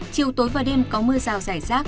chiều tối và đêm có mưa rào dày rác